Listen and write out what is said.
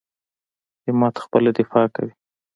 همت خپله دفاع کوي.